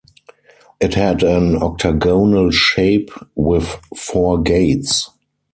It had an octagonal shape with four gates.